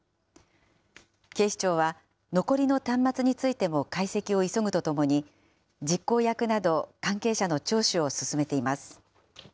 警視庁は残りの端末についても解析を急ぐとともに、実行役など関係者の聴取を進めています。